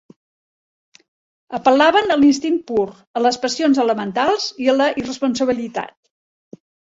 Apel·laven a l'instint pur, a les passions elementals i a la irresponsabilitat.